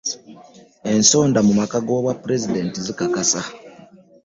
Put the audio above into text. Ensonda mu maka g'obwapulezidenti zikakasa.